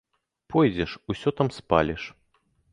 Пойдзеш, усё там спаліш.